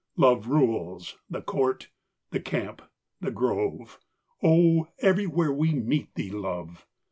Love rules " the court, the camp, the grove " Oh, everywhere we meet thee, Love